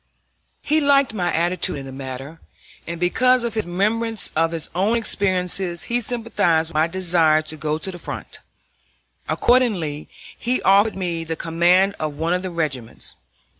He liked my attitude in the matter, and because of his remembrance of his own experiences he sympathized with my desire to go to the front. Accordingly he offered me the command of one of the regiments.